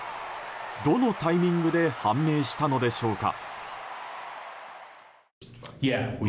どのタイミングで判明したのでしょうか。